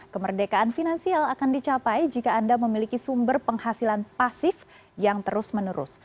kemerdekaan finansial akan dicapai jika anda memiliki sumber penghasilan pasif yang terus menerus